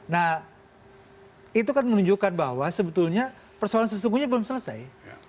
nah itu kan menunjukkan bahwa sebetulnya persoalan sesungguhnya belum selesai